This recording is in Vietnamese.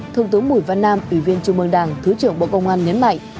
thượng tướng bùi văn nam ủy viên trung mương đảng thứ trưởng bộ công an nhấn mạnh